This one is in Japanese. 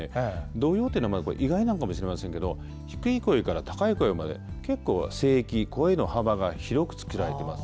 童謡というのはこれ意外なのかもしれませんけど低い声から高い声まで結構、声域声の幅が広く作られてます。